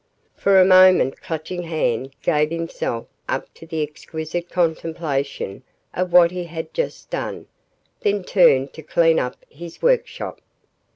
For a moment Clutching Hand gave himself up to the exquisite contemplation of what he had just done, then turned to clean up his workshop.